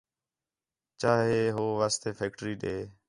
چا ہے ہو واسطے فیکٹری ݙے